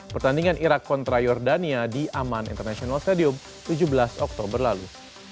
pertandingan irak kontra jordania di aman international stadium tujuh belas oktober lalu